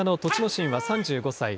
心は３５歳。